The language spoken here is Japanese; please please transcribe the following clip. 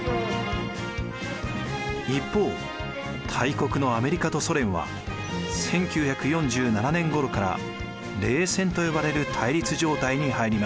一方大国のアメリカとソ連は１９４７年ごろから冷戦と呼ばれる対立状態に入ります。